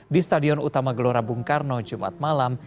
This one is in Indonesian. di stadion utama gelora bung karno jumat malam